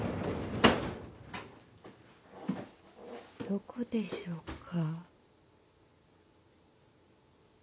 ・どこでしょうか。